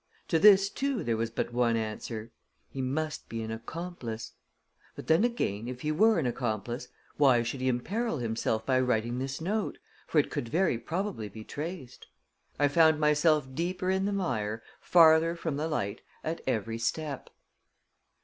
To this, too, there was but one answer he must be an accomplice. But then, again, if he were an accomplice, why should he imperil himself by writing this note, for it could very probably be traced? I found myself deeper in the mire, farther from the light, at every step.